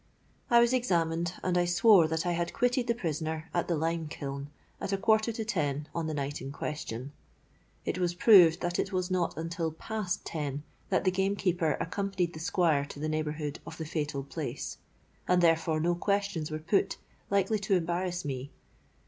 I was examined, and I swore that I had quitted the prisoner at the lime kiln at a quarter to ten on the night in question. It was proved that it was not until past ten that the gamekeeper accompanied the Squire to the neighbourhood of the fatal place; and therefore no questions were put likely to embarrass me.